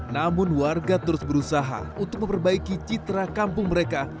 namun warga terus berusaha untuk memperbaiki citra kampung mereka